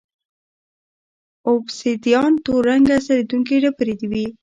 اوبسیدیان تور رنګه ځلېدونکې ډبرې وې